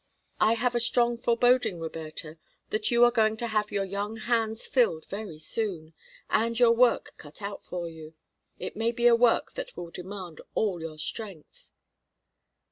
I have a strong foreboding, Roberta, that you are going to have your young hands filled very soon, and your work cut out for you it may be a work that will demand all your strength."